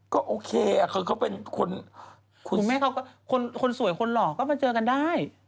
คุณเริ่มเรื่องเก่าตู้เย็นนี่มันเรื่องใหม่ครับ